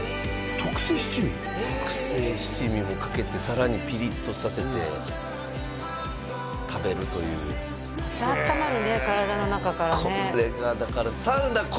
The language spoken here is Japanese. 特製七味もかけてさらにピリッとさせて食べるというあったまるね体の中からね